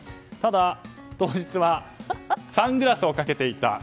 ただ、当日はサングラスをかけていた。